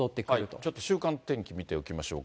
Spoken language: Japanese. ちょっと週間天気見ておきましょうか。